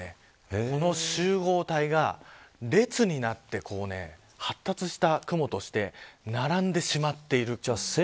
この集合体が列になって発達した雲として並んでしまっている。